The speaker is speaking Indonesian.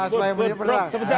supaya menjadi penerang